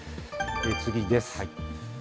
次です。